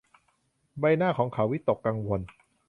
ใบหน้าของเขาวิตกกังวล